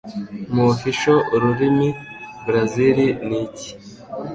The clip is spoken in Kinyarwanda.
Mu Official ururimi Brazil ni iki?